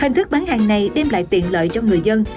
hình thức bán hàng này đem lại tiện lợi cho người dân